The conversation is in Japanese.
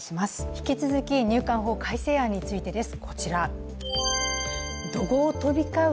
引き続き入管法改正案についてです。